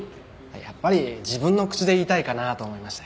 やっぱり自分の口で言いたいかなと思いまして。